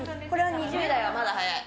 これは２０代はまだ早い。